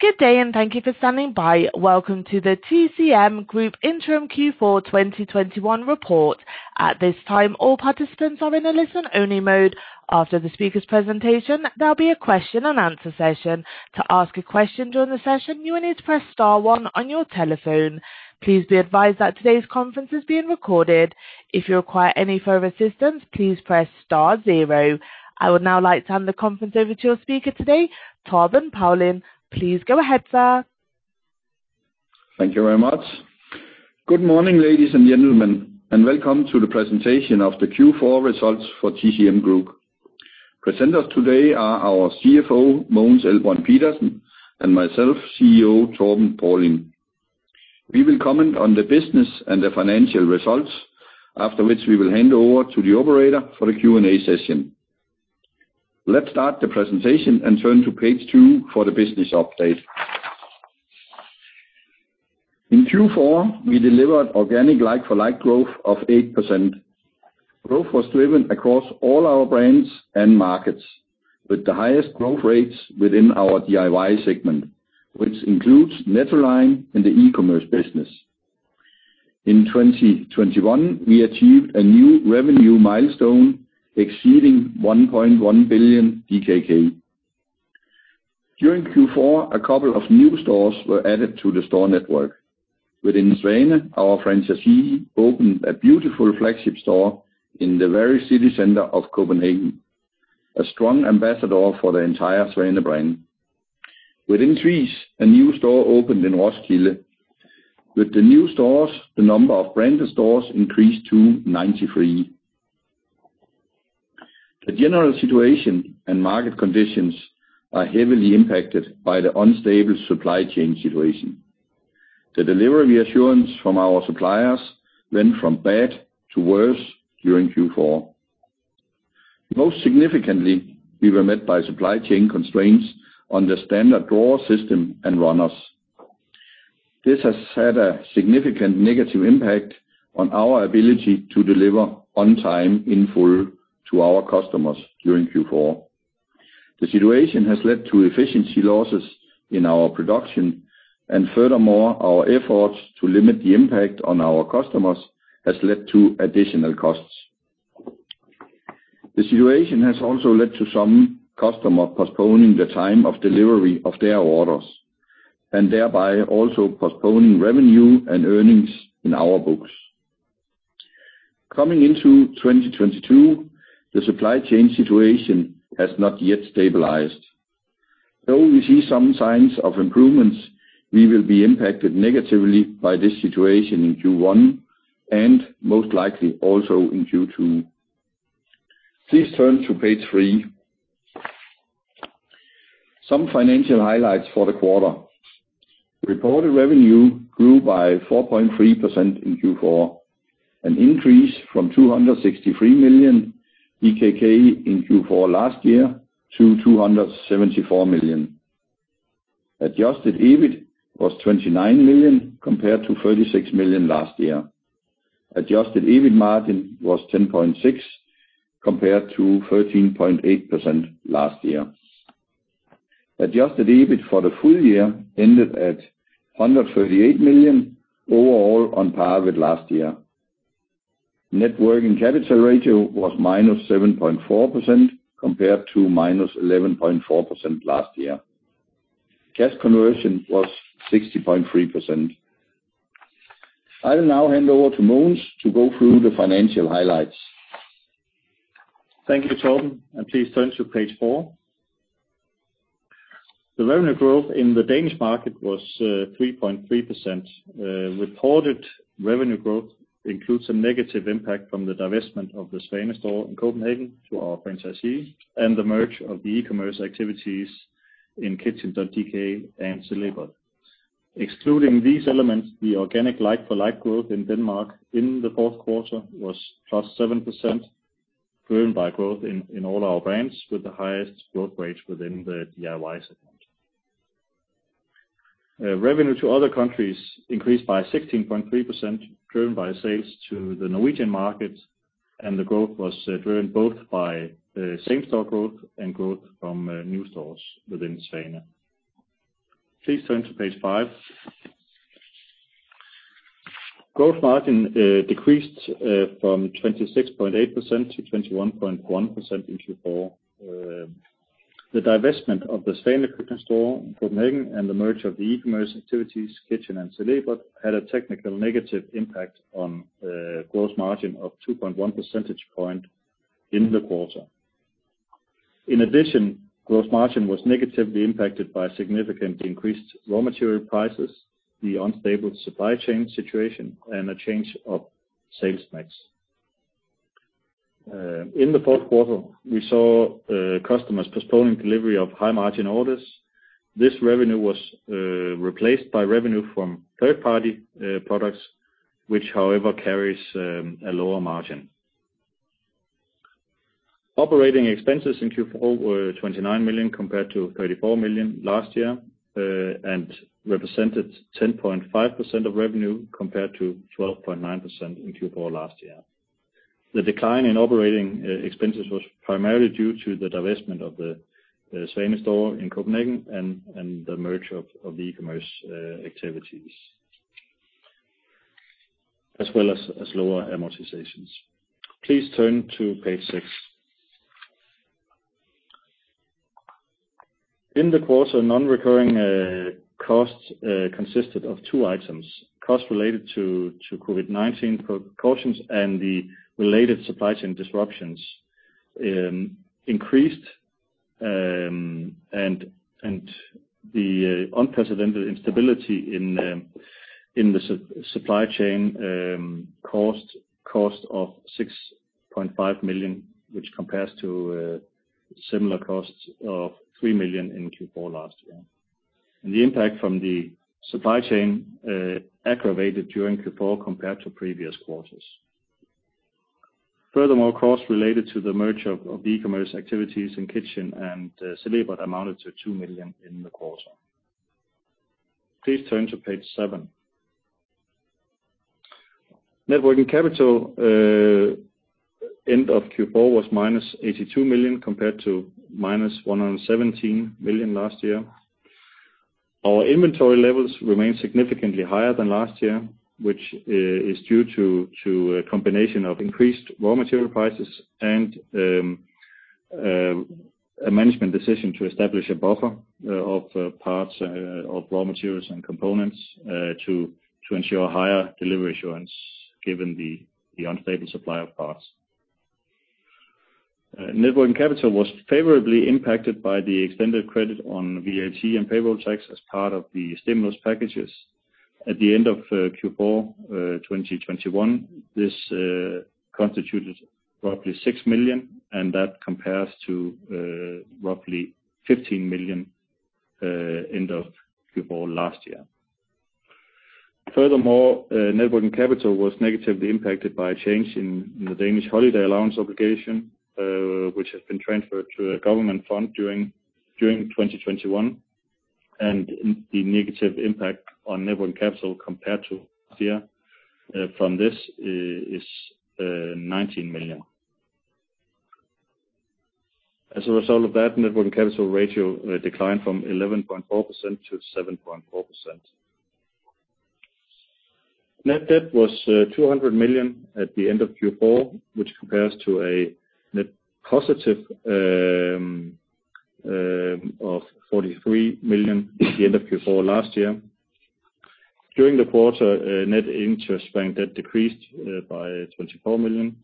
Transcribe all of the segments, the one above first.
Good day, and thank you for standing by. Welcome to the TCM Group interim Q4 2021 report. At this time, all participants are in a listen-only mode. After the speaker's presentation, there'll be a question-and-answer session. To ask a question during the session, you will need to press star one on your telephone. Please be advised that today's conference is being recorded. If you require any further assistance, please press star zero. I would now like to hand the conference over to your speaker today, Torben Paulin. Please go ahead, sir. Thank you very much. Good morning, ladies and gentlemen, welcome to the presentation of the Q4 results for TCM Group. Presenters today are our CFO, Mogens Elbrønd Pedersen, and myself, CEO Torben Paulin. We will comment on the business and the financial results, after which we will hand over to the operator for the Q&A session. Let's start the presentation, turn to page two for the business update. In Q4, we delivered organic like-for-like growth of 8%. Growth was driven across all our brands and markets, with the highest growth rates within our DIY segment, which includes the Nettoline, and the e-commerce business. In 2021, we achieved a new revenue milestone exceeding 1.1 billion DKK. During Q4, a couple of new stores were added to the store network. Within Svane, our franchisee opened a beautiful flagship store in the very city center of Copenhagen, a strong ambassador for the entire Svane brand. Within Tvis, a new store opened in Roskilde. With the new stores, the number of branded stores increased to 93. The general situation and market conditions are heavily impacted by the unstable supply chain situation. The delivery assurance from our suppliers went from bad to worse during Q4. Most significantly, we were met by supply chain constraints on the standard drawer system and runners. This has had a significant negative impact on our ability to deliver on time and in full to our customers during Q4. The situation has led to efficiency losses in our production, and furthermore, our efforts to limit the impact on our customers have led to additional costs. The situation has also led to some customers postponing the time of delivery of their orders and thereby also postponing revenue and earnings in our books. Coming into 2022, the supply chain situation has not yet stabilized. Though we see some signs of improvements, we will be impacted negatively by this situation in Q1 and most likely also in Q2. Please turn to page three. Some financial highlights for the quarter. Reported revenue grew by 4.3% in Q4, an increase from 263 million in Q4 last year to 274 million. Adjusted EBIT was 29 million compared to 36 million last year. Adjusted EBIT margin was 10.6%, compared to 13.8% last year. Adjusted EBIT for the full year ended at 138 million, overall on par with last year. Net working capital ratio was -7.4% compared to -11.4% last year. Cash conversion was 60.3%. I will now hand over to Mogens to go through the financial highlights. Thank you, Torben. Please turn to page four. The revenue growth in the Danish market was 3.3%. Reported revenue growth includes a negative impact from the divestment of the Svane store in Copenhagen to our franchisee and the merge of the e-commerce activities in kitchn.dk and Celebert. Excluding these elements, the organic like-for-like growth in Denmark in the fourth quarter was +7%, driven by growth in all our brands with the highest growth rates within the DIY segment. Revenue to other countries increased by 16.3%, driven by sales to the Norwegian market. The growth was driven both by the same-store growth and growth from new stores within Svane. Please turn to page five. Gross margin decreased from 26.8%-21.1% in Q4. The divestment of the Svane Køkkenet store in Copenhagen and the merger of the e-commerce activities, kitchn.dk and Celebert, had a technical negative impact on the gross margin of 2.1 percentage points in the quarter. In addition, gross margin was negatively impacted by significant increased raw material prices, the unstable supply chain situation, and a change of sales mix. In the fourth quarter, we saw customers postponing delivery of high-margin orders. This revenue was replaced by revenue from third-party products, which, however, carries a lower margin. Operating expenses in Q4 were 29 million compared to 34 million last year and represented 10.5% of revenue compared to 12.9% in Q4 last year. The decline in operating expenses was primarily due to the divestment of the Svane store in Copenhagen and the merger of the e-commerce activities, as well as lower amortizations. Please turn to page six. In the quarter, non-recurring costs consisted of two items: costs related to COVID-19 precautions and the related supply chain disruptions increased. The unprecedented instability in the supply chain cost 6.5 million, which compares to similar costs of 3 million in Q4 last year. The impact from the supply chain aggravated during Q4 compared to previous quarters. Furthermore, costs related to the merger of e-commerce activities in kitchn.dk and Celebert amounted to 2 million in the quarter. Please turn to page seven. Net working capital end of Q4 was -82 million, compared to -117 million last year. Our inventory levels remain significantly higher than last year, which is due to a combination of increased raw material prices and a management decision to establish a buffer of parts of raw materials and components to ensure higher delivery assurance given the unstable supply of parts. Net working capital was favorably impacted by the extended credit on VAT and payroll tax as part of the stimulus packages. At the end of Q4 2021, this constituted roughly 6 million, and that compares to roughly 15 million end of Q4 last year. Furthermore, net working capital was negatively impacted by a change in the Danish holiday allowance obligation, which has been transferred to a government fund during 2021. The negative impact on net working capital compared to last year from this is DKK 19 million. As a result of that, the net working capital ratio declined from 11.4%-7.4%. Net debt was 200 million at the end of Q4, which compares to a net positive of 43 million at the end of Q4 last year. During the quarter, net interest bank debt decreased by 24 million.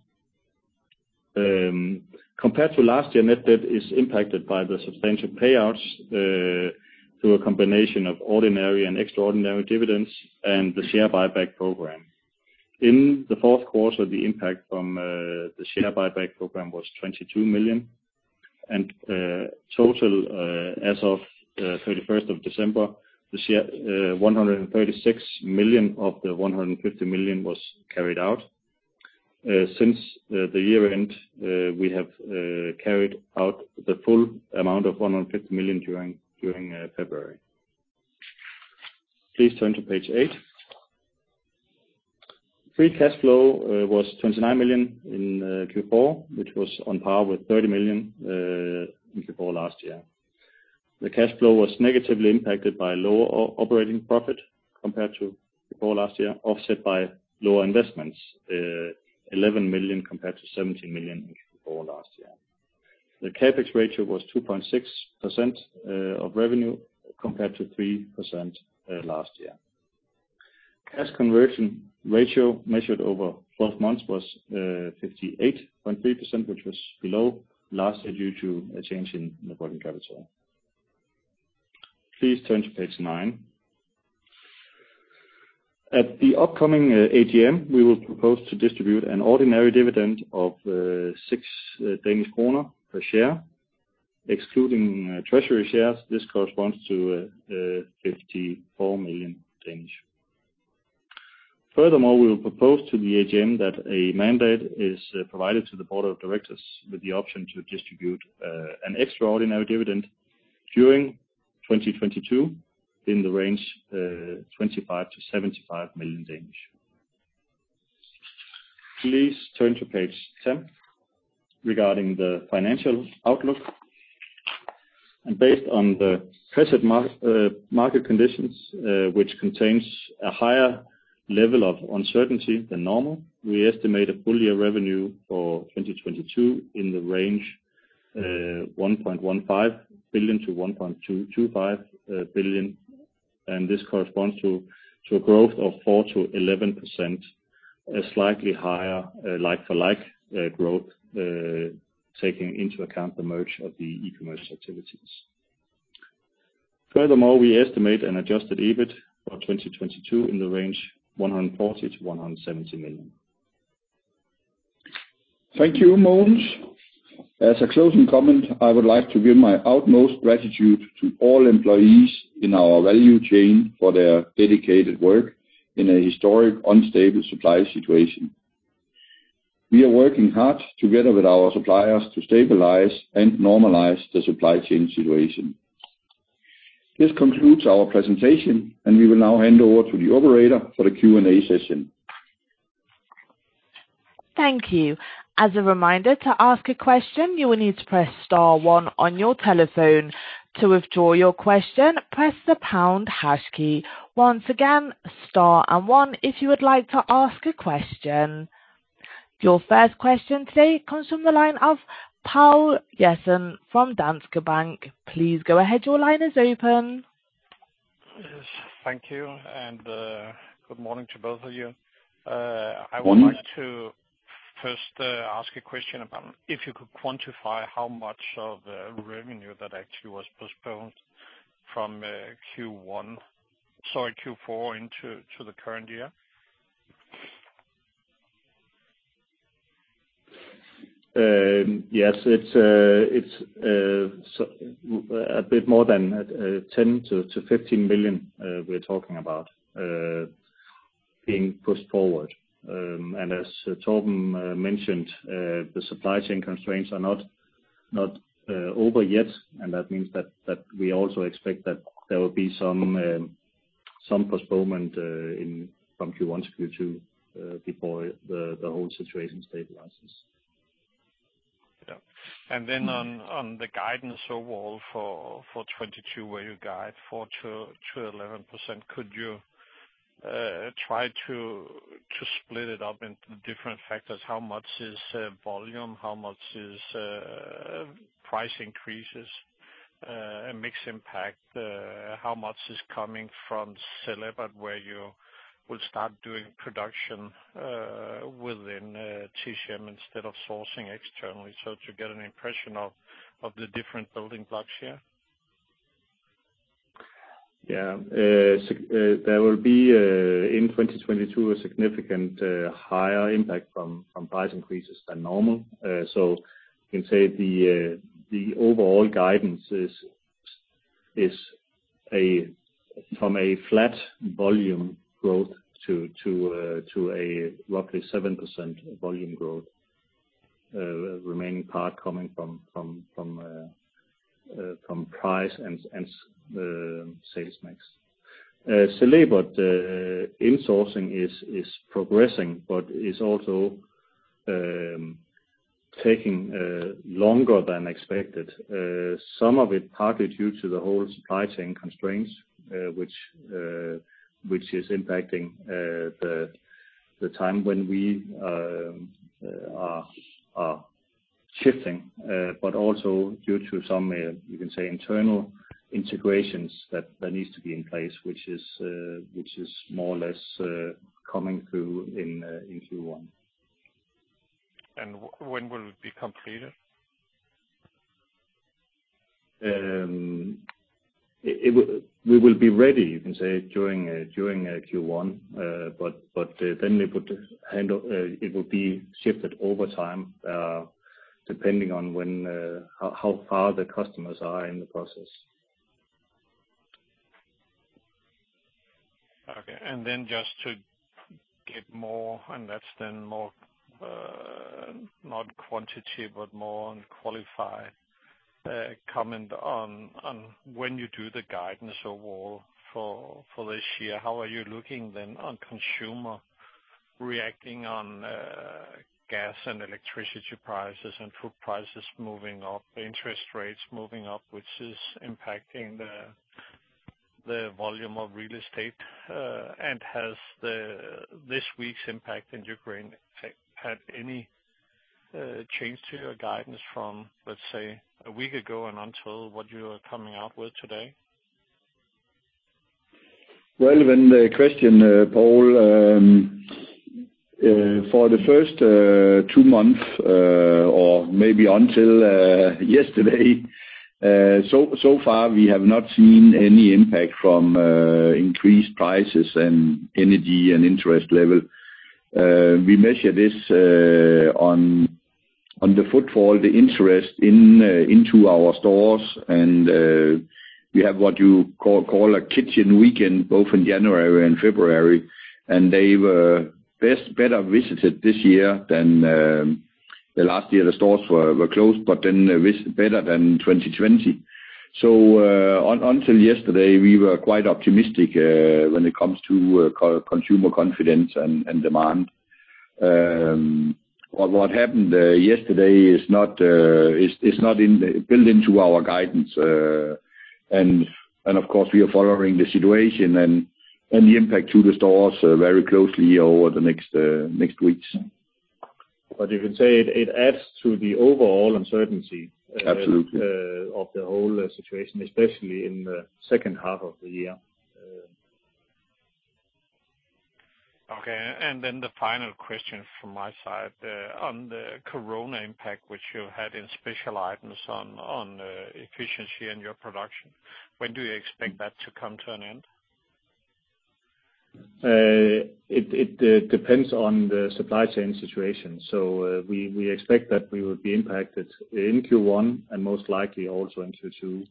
Compared to last year, net debt is impacted by the substantial payouts through a combination of ordinary and extraordinary dividends and the share buyback program. In the fourth quarter, the impact from the share buyback program was 22 million, and in total as of the 31st of December this year, 136 million of the 150 million was carried out. Since the year-end, we have carried out the full amount of 150 million during February. Please turn to page eight. Free cash flow was 29 million in Q4, which was on par with 30 million in Q4 last year. The cash flow was negatively impacted by lower operating profit compared to Q4 last year, offset by lower investments, 11 million compared to 17 million in Q4 last year. The CapEx ratio was 2.6% of revenue, compared to 3% last year. Cash conversion ratio measured over 12 months was 58.3%, which was below last year due to a change in net working capital. Please turn to page nine. At the upcoming AGM, we will propose to distribute an ordinary dividend of six DKK per share. Excluding treasury shares, this corresponds to 54 million. Furthermore, we will propose to the AGM that a mandate be provided to the board of directors with the option to distribute an extraordinary dividend during 2022 in the range 25 million-75 million. Please turn to page 10 regarding the financial outlook. Based on the present market conditions, which contain a higher level of uncertainty than normal, we estimate a full-year revenue for 2022 in the range of 1.15 billion-1.25 billion. This corresponds to a growth of 4%-11%, a slightly higher like-for-like growth, taking into account the merger of the e-commerce activities. Furthermore, we estimate an adjusted EBIT for 2022 in the range of 140 million-170 million. Thank you, Mogens. As a closing comment, I would like to give my utmost gratitude to all employees in our value chain for their dedicated work in a historic, unstable supply situation. We are working hard together with our suppliers to stabilize and normalize the supply chain situation. This concludes our presentation. We will now hand over to the operator for the Q&A session. Thank you. As a reminder, to ask a question, you will need to press star one on your telephone. To withdraw your question, press the pound hash key. Once again, star and one if you would like to ask a question. Your first question today comes from the line of Poul Ernst Jessen from Danske Bank. Please go ahead. Your line is open. Yes. Thank you, and good morning to both of you. I would like to first ask a question about if you could quantify how much of the revenue was actually postponed from Q4 into the current year? Yes. It's a bit more than 10 million-15 million we're talking about being pushed forward. As Torben mentioned, the supply chain constraints are not over yet; that means that we also expect that there will be some postponement from Q1-Q2 before the whole situation stabilizes. Yeah. On the guidance overall for 2022, where you guide 4%-11%, could you try to split it up into different factors? How much is volume? How much are price increases and mix impact? How much is coming from Celebert, where you will start doing production within TCM instead of sourcing externally? To get an impression of the different building blocks here. There will be, in 2022, a significantly higher impact from price increases than normal. You can say the overall guidance is from flat volume growth to a roughly 7% volume growth, the remaining part coming from price and sales mix. At Celebert, the insourcing is progressing but is also taking longer than expected. Some of it is partly due to the whole supply chain constraints, which are impacting the time when we are shifting. Also, due to some, you could say, internal integrations that need to be in place, which are more or less coming through in Q1. When will it be completed? We will be ready, you can say, during Q1. It will be shifted over time, depending on how far the customers are in the process. Okay. Just to get more, that's then not quantity, but more qualified comments on when you do the guidance overall for this year, how are you looking then on consumers reacting to gas and electricity prices and food prices moving up and interest rates moving up, which is impacting the volume of real estate? Has this week's impact in Ukraine had any change to your guidance from, let's say, a week ago and until what you are coming out with today? Relevant question, Poul. For the first two months, or maybe until yesterday, so far we have not seen any impact from increased prices and energy and interest levels. We measure this on the footfall and the interest in our stores, and we have what you call a kitchen weekend, both in January and February, and they were better visited this year than last year when the stores were closed, but then better than in 2020. Until yesterday, we were quite optimistic when it comes to consumer confidence and demand. What happened yesterday is not built into our guidance. Of course, we are following the situation and the impact to the stores very closely over the next weeks. You can say it adds to the overall uncertainty. Absolutely of the whole situation, especially in the second half of the year. Okay, the final question from my side. Regarding the Corona impact, which you had on special items on efficiency in your production, when do you expect that to come to an end? It depends on the supply chain situation. We expect that we will be impacted in Q1 and most likely also in Q2.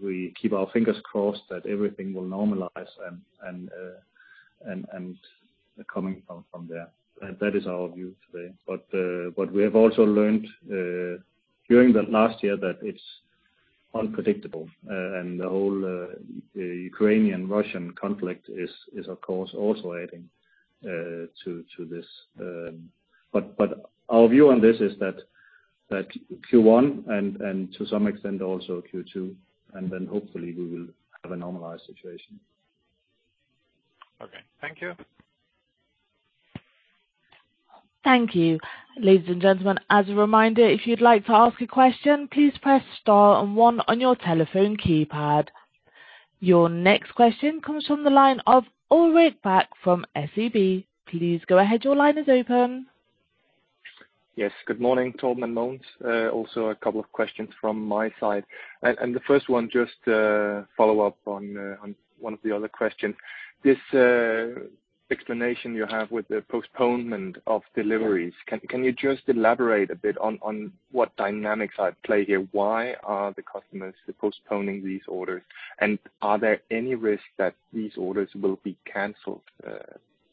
We keep our fingers crossed that everything will normalize and come from there. That is our view today. What we have also learned during the last year is that it's unpredictable, and the whole Ukrainian-Russian conflict is, of course, also adding to this. Our view on this is that Q1 and to some extent also Q2, and then hopefully we will have a normalized situation. Okay. Thank you. Thank you. Your next question comes from the line of Ulrik Bak from SEB. Please go ahead. Yes. Good morning, Torben and Mogens. A couple of questions from my side. The first one, just a follow-up on one of the other questions. This explanation you have with the postponement of deliveries—can you just elaborate a bit on what dynamics are at play here? Why are the customers postponing these orders, and are there any risks that these orders will be canceled?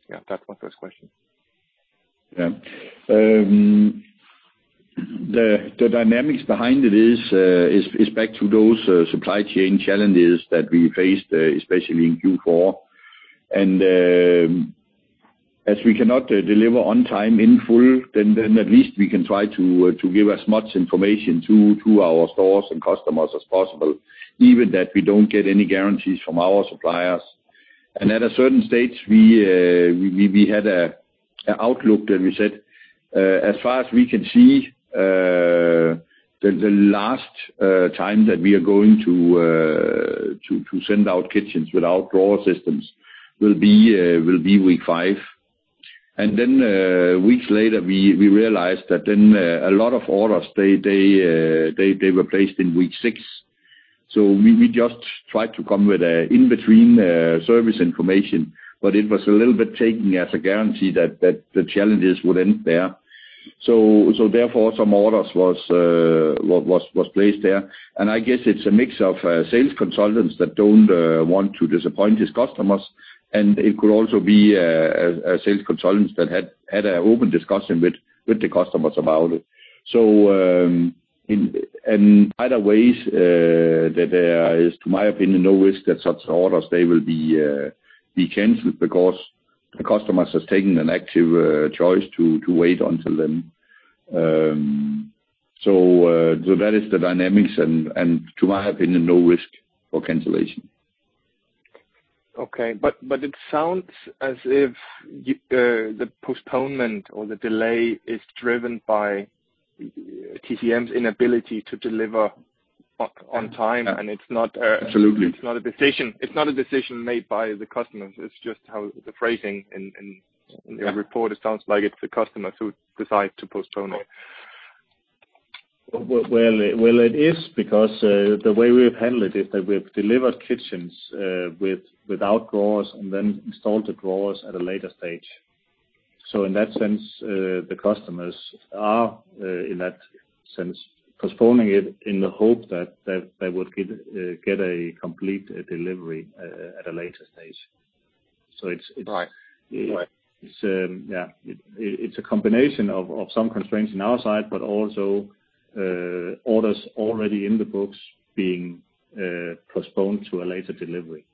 That's my first question. Yeah. The dynamics behind it is back to those supply chain challenges that we faced, especially in Q4. As we cannot deliver on time in full, then at least we can try to give as much information to our stores and customers as possible, even though we don't get any guarantees from our suppliers. At a certain stage, we had an outlook, and we said, as far as we can see, the last time that we are going to send out kitchens without drawer systems will be week five. Weeks later, we realized that then a lot of orders were placed in week six. We just tried to come up with intermediate service information. It was a little bit taken as a guarantee that the challenges would end there. Therefore, some orders was placed there. I guess it's a mix of sales consultants that don't want to disappoint his customers, and it could also be a sales consultant that had an open discussion with the customers about it. In either way, there is, in my opinion, no risk that such orders will be canceled because the customers have taken an active choice to wait until then. Those are the dynamics and, in my opinion, no risk for cancellation. Okay. It sounds as if the postponement or the delay is driven by TCM's inability to deliver on time. Absolutely it's not a decision made by the customers. It's just how the phrasing is. Yeah your report, it sounds like it's the customers who decide to postpone it. Well, it is, because the way we've handled it is that we've delivered kitchens without drawers and then installed the drawers at a later stage. In that sense, the customers are postponing it in the hope that they will get a complete delivery at a later stage. Right. Yeah. It's a combination of some constraints on our side but also orders already in the books being postponed to a later delivery.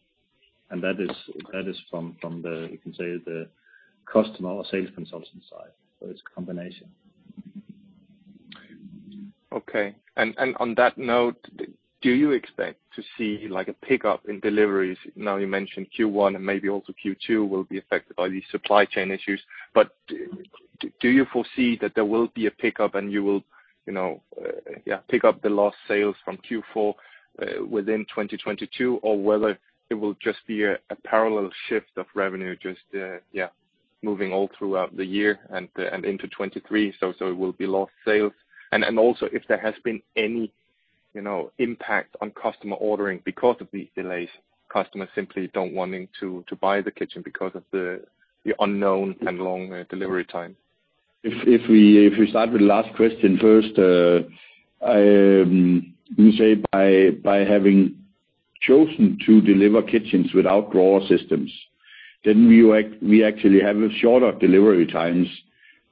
That is from the, you can say, the customer or sales consultant side. It's a combination. Okay. On that note, do you expect to see a pickup in deliveries? Now you mentioned Q1 and maybe also Q2 will be affected by these supply chain issues, but do you foresee that there will be a pickup and you will pick up the lost sales from Q4 within 2022, or will it just be a parallel shift of revenue, just moving all throughout the year and into 2023? It will be lost sales. Also, if there has been any impact on customer ordering because of these delays, customers simply don't want to buy the kitchen because of the unknown and long delivery time. If we start with the last question first, you say, by having chosen to deliver kitchens without drawer systems, then we actually have shorter delivery times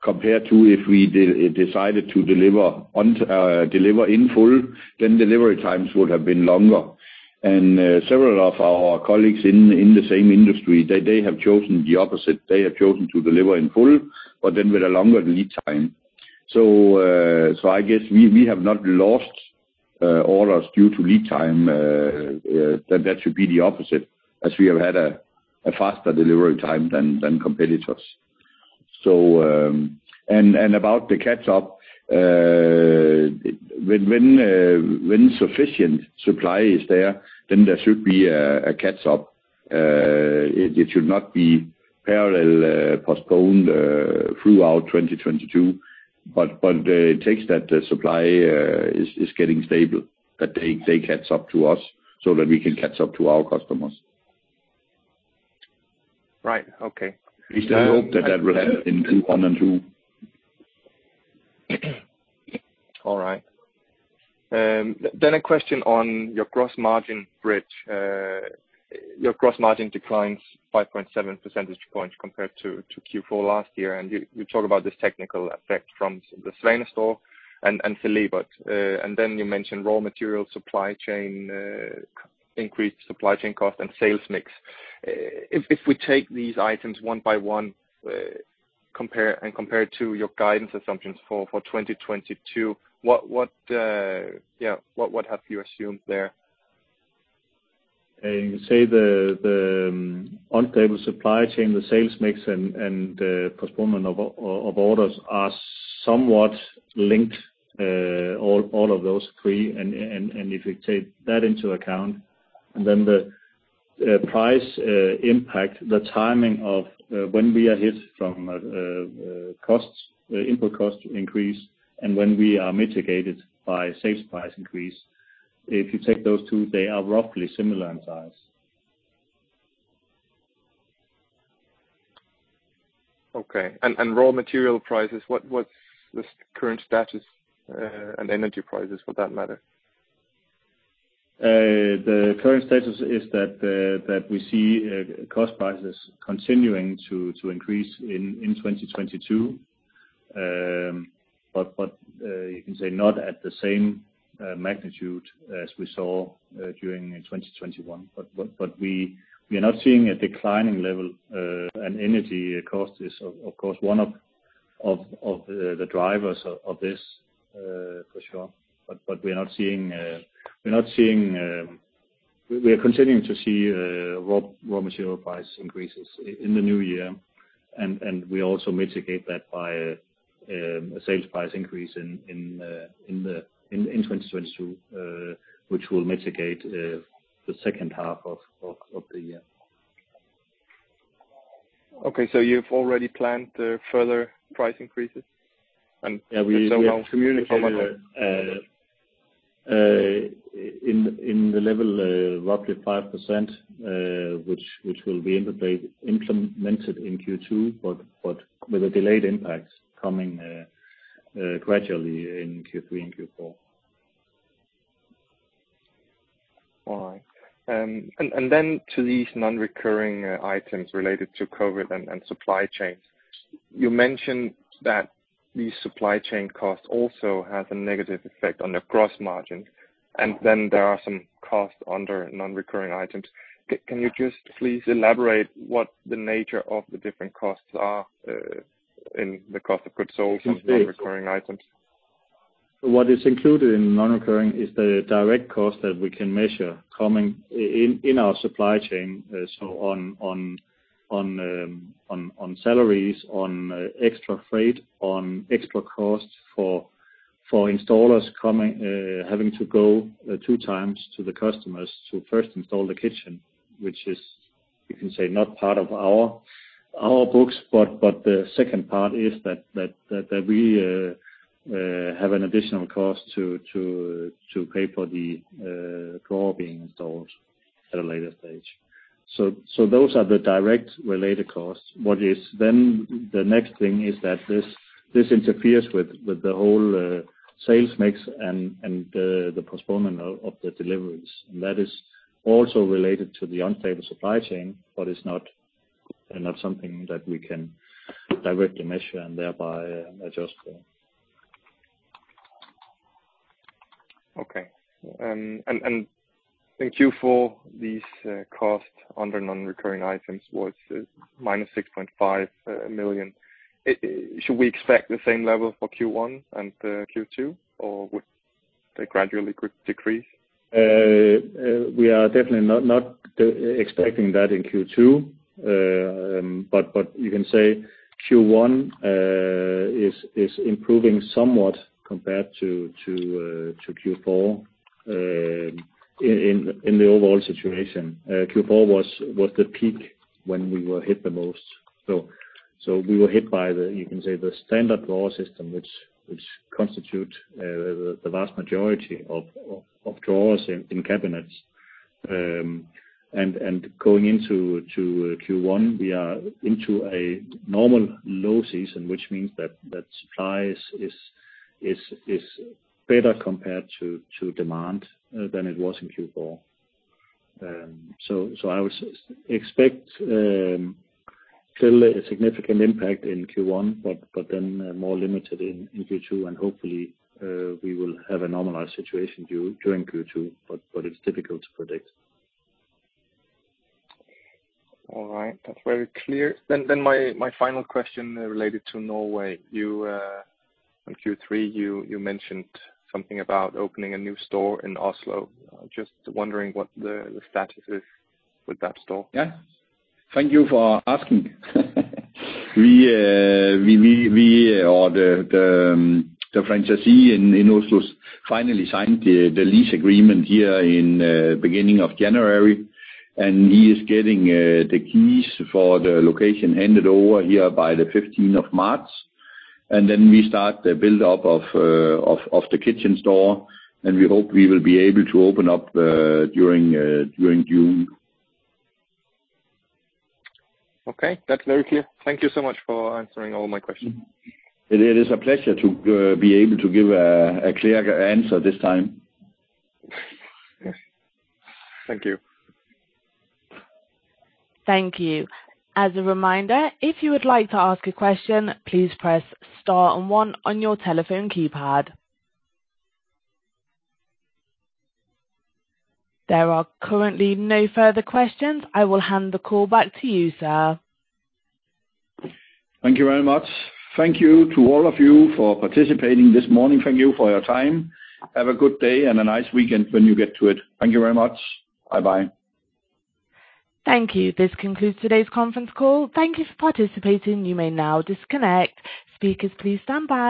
compared to if we decided to deliver in full; then delivery times would have been longer. Several of our colleagues in the same industry have chosen the opposite. They have chosen to deliver in full, but then with a longer lead time. I guess we have not lost orders due to lead time. That should be the opposite, as we have had a faster delivery time than competitors. About the catch-up, when sufficient supply is there, then there should be a catch-up. It should not be parallel postponed throughout 2022. It takes that the supply is getting stable, that they catch up to us so that we can catch up to our customers. Right. Okay. We hope that that will happen in Q1 and Q2. All right. A question on your gross margin bridge. Your gross margin declines 5.7 percentage points compared to Q4 last year, and you talk about this technical effect from the Svane store and Celebert. You mentioned raw material supply chain, increased supply chain cost, and sales mix. If we take these items one by one and compare them to your guidance assumptions for 2022, what have you assumed there? You can say the unstable supply chain, the sales mix, and the postponement of orders are somewhat linked, all three of those. If you take that into account and then the price impact and the timing of when we are hit from input cost increases and when we are mitigated by sales price increases, if you take those two, they are roughly similar in size. Okay. Raw material prices, what's the current status? Energy prices for that matter. The current status is that we see cost prices continuing to increase in 2022. You can say not at the same magnitude as we saw during 2021. We are not seeing a declining level, and energy cost is, of course, one of the drivers of this for sure. We are continuing to see raw material price increases in the new year, and we also mitigate that by a sales price increase in 2022, which will mitigate the second half of the year. Okay, you've already planned further price increases? If so, how much? We have communicated in the level roughly 5%, which will be implemented in Q2, but with a delayed impact coming gradually in Q3 and Q4. All right. Then to these non-recurring items related to COVID and the supply chain. You mentioned that these supply chain costs also have a negative effect on the gross margin, and then there are some costs under non-recurring items. Can you just please elaborate on what the nature of the different costs are in the cost of goods sold from non-recurring items? What is included in non-recurring is the direct cost that we can measure coming from our supply chain. On salaries, on extra freight, and on extra costs for installers having to go two times to the customers to first install the kitchen, which you can say is not part of our books. The second part is that we have an additional cost to pay for the drawer being installed at a later stage. Those are the directly related costs. The next thing is that this interferes with the whole sales mix and the postponement of the deliveries. That is also related to the unstable supply chain, but it's not something that we can directly measure and thereby adjust for. Okay. In Q4, these costs under non-recurring items were minus 6.5 million. Should we expect the same level for Q1 and Q2, or would they gradually decrease? We are definitely not expecting that in Q2. You can say Q1 is improving somewhat compared to Q4 in the overall situation. Q4 was the peak when we were hit the most. We were hit by, you can say, the standard drawer system, which constitutes the vast majority of drawers in cabinets. Going into Q1, we are into a normal low season, which means that supply is better compared to demand than it was in Q4. I would expect still a significant impact in Q1, but then more limited in Q2, and hopefully, we will have a normalized situation during Q2, but it's difficult to predict. All right. That's very clear. My final question related to Norway. In Q3, you mentioned something about opening a new store in Oslo. Just wondering what the status is with that store. Yeah. Thank you for asking. The franchisee in Oslo finally signed the lease agreement here in beginning of January, and he is getting the keys for the location handed over here by the 15th of March. Then we start the build-up of the kitchen store, and we hope we will be able to open up during June. Okay. That's very clear. Thank you so much for answering all my questions. It is a pleasure to be able to give a clear answer this time. Thank you. Thank you. As a reminder, if you would like to ask a question, please press star and one on your telephone keypad. There are currently no further questions. I will hand the call back to you, sir. Thank you very much. Thank you to all of you for participating this morning. Thank you for your time. Have a good day and a nice weekend when you get to it. Thank you very much. Bye-bye. Thank you. This concludes today's conference call. Thank you for participating. You may now disconnect. Speakers, please stand by